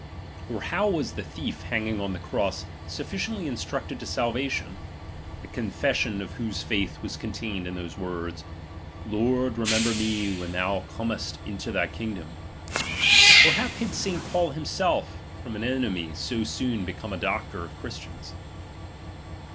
Or how was the thief hanging on the cross sufficiently instructed to salvation, the confession of whose faith was contained in these words : Lord, remember me when thou earnest into thy kingdom ? Or how could St. Paul himself, from an enemy, so soon become a doctor of Christians